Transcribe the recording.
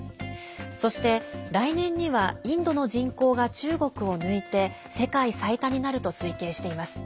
そして、来年にはインドの人口が中国を抜いて世界最多になると推計しています。